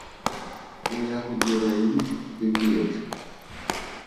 O ya go dira eng beke yotlhe?